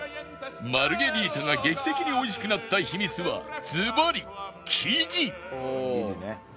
マルゲリータが劇的に美味しくなった秘密はずばり生地！